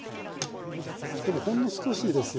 でもほんの少しですよね。